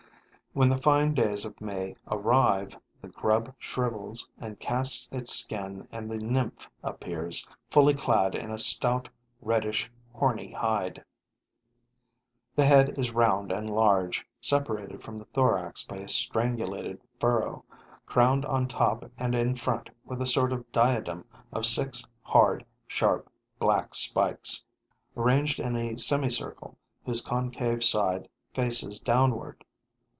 When the fine days of May arrive, the grub shrivels and casts its skin and the nymph appears, fully clad in a stout, reddish, horny hide. The head is round and large, separated from the thorax by a strangulated furrow, crowned on top and in front with a sort of diadem of six hard, sharp, black spikes, arranged in a semicircle whose concave side faces downward.